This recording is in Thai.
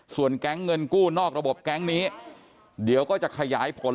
ส่วนแก๊งเงินกู้นอกระบบแก๊งนี้เดี๋ยวก็จะขยายผล